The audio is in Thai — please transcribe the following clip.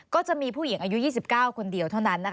ก็จะมีผู้หญิงอายุ๒๙คนเดียวเท่านั้นนะคะ